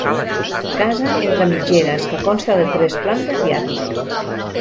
Casa entre mitgeres que consta de tres plantes i àtic.